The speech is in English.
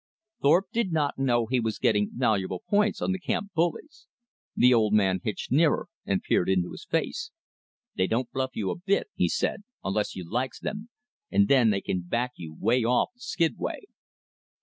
Thorpe did not know he was getting valuable points on the camp bullies. The old man hitched nearer and peered in his face. "They don't bluff you a bit," he said, "unless you likes them, and then they can back you way off the skidway."